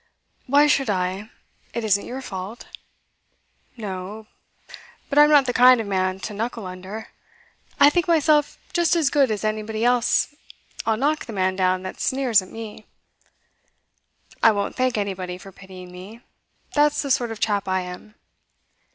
'Why should I? It isn't your fault.' 'No. But I'm not the kind of man to knuckle under. I think myself just as good as anybody else I'll knock the man down that sneers at me; and I won't thank anybody for pitying me; that's the sort of chap I am.